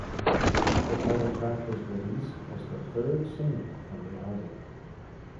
The title track was released as the third single from the album.